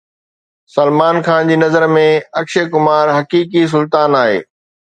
سلمان خان جي نظر ۾ اڪشي ڪمار حقيقي سلطان آهي